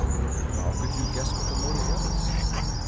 "But how could you guess what the motive was?"